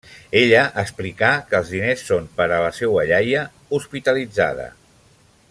Ella explicà que els diners són per a la seua iaia hospitalitzada.